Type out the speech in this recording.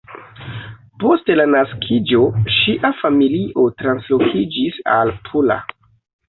Post la naskiĝo ŝia familio translokiĝis al Pula.